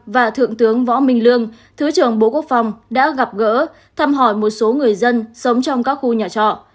và thượng tướng võ minh lương thứ trưởng bộ quốc phòng đã gặp gỡ thăm hỏi một số người dân sống trong các khu nhà trọ